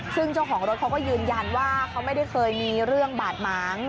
ซึ่งเจ้าของรถเขาก็ยืนยันว่าเขาไม่ได้เคยมีเรื่องบาดหมาง